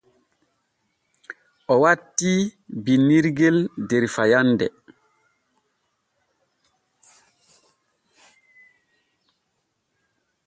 O wattii binnirgel der fayande.